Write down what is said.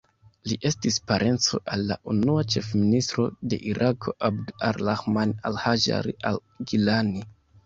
Li estis parenco al la unua ĉefministro de Irako, Abd ar-Rahman al-Hajdari al-Gillani.